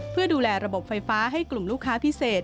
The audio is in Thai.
เพื่อดูแลระบบไฟฟ้าให้กลุ่มลูกค้าพิเศษ